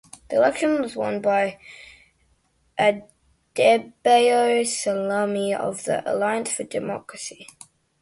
The election was won by Adebayo Salami of the Alliance for Democracy.